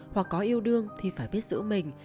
hoặc có yêu đương thì phải biết giữ mình